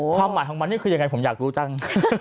ความหมายของมันนี่คือยังไงผมอยากรู้จัง